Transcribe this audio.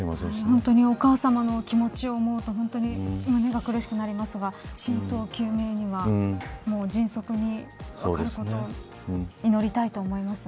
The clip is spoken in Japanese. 本当にお母さまの気持ちを思うと胸が苦しくなりますが真相究明には迅速にできることを祈りたいと思います。